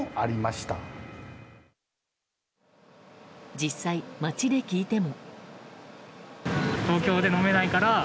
実際、街で聞いても。